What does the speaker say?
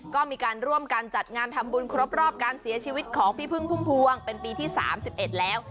ก็มีการร่วมกันจัดงานทำบุญครบรอบการเสียชีวิตของพี่พึ่งพุ่มพวงเป็นปีที่๓๑แล้ว